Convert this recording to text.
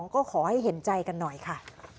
ก็ขอให้เห็นใจกันหน่อยค่ะ